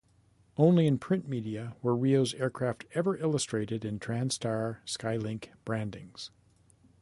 Only in print media were Rio's aircraft ever illustrated in TranStar SkyLink brandings.